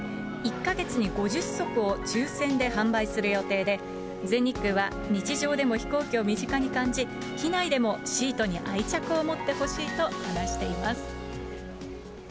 １か月に５０足を抽せんで販売する予定で、全日空は日常でも飛行機を身近に感じ、機内でもシートに愛着を持ってほしいと話しています。